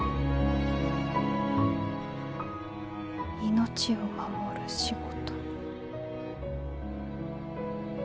「命を守る仕事」。